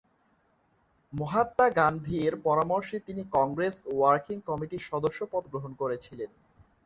মহাত্মা গান্ধীর পরামর্শে তিনি কংগ্রেস ওয়ার্কিং কমিটির সদস্যপদ গ্রহণ করেছিলেন।